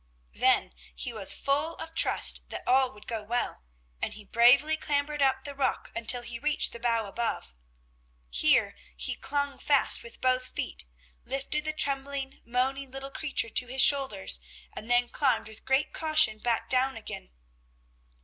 Then he was full of trust that all would go well, and he bravely clambered up the rock until he reached the bough above. Here he clung fast with both feet, lifted the trembling, moaning little creature to his shoulders, and then climbed with great caution back down again.